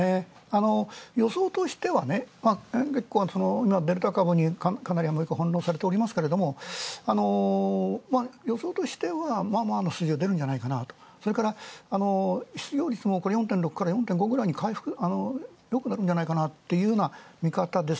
予想としては、デルタ株にかなりアメリカ翻弄されていますが、予想としてはまあまあの数字が出るんじゃないかなと、失業率も４．６から４．５くらいによくなるんじゃないかなという見方です。